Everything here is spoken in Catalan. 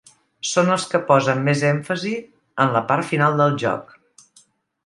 Són els que posen més èmfasi en la part final del joc.